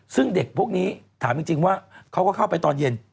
ซึ่งเด็กพวกนี้ถามจริงว่าเขาก็เข้าไปตอนเย็น